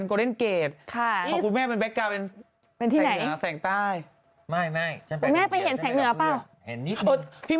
คลิปทำไปเองจิ้